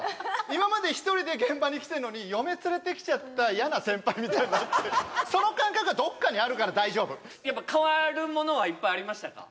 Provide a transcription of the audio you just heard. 今まで１人で現場に来てんのに嫁連れてきちゃった嫌な先輩みたいになってその感覚はどっかにあるから大丈夫やっぱ変わるものはいっぱいありましたか？